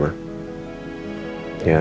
yaudah thank you